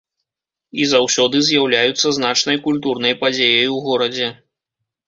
І заўсёды з'яўляюцца значнай культурнай падзеяй у горадзе.